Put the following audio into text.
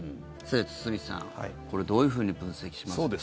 堤さん、これをどういうふうに分析しますか？